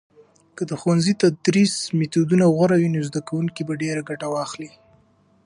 که د ښوونځي تدریس میتودونه غوره وي، نو زده کوونکي به ډیر ګټه واخلي.